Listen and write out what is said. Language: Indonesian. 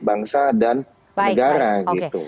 bangsa dan negara gitu